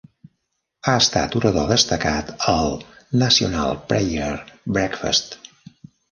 Ha estat orador destacat al National Prayer Breakfast.